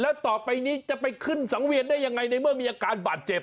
แล้วต่อไปนี้จะไปขึ้นสังเวียนได้ยังไงในเมื่อมีอาการบาดเจ็บ